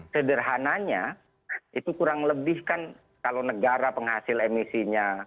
sederhananya itu kurang lebih kan kalau negara penghasil emisinya